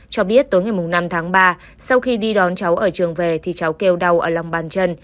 cho biết tối ngày năm tháng ba sau khi đi đón cháu ở trường về thì cháu kêu đau ở lòng bàn chân